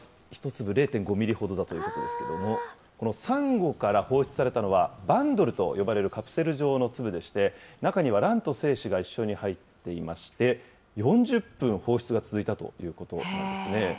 １粒０．５ミリほどだということですけれども、このサンゴから放出されたのは、バンドルと呼ばれる粒でして、中には卵と精子が一緒に入っていまして、４０分放出が続いたということなんですね。